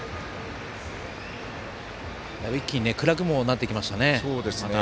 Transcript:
一気に暗くもなってきましたね。